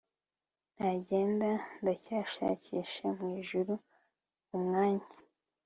nagenda, ndacyashakisha mwijuru, mumwanya